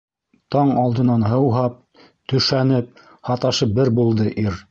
Таң алдынан һыуһап, төшәнеп, һаташып бер булды ир.